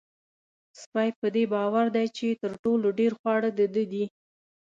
سپی په دې باور دی چې تر ټولو ډېر خواړه د ده دي.